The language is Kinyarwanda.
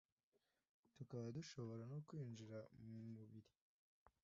tukaba dushobora no kwinjira mu mubiri